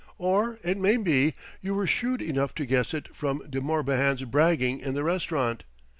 Or, it may be, you were shrewd enough to guess it from De Morbihan's bragging in the restaurant.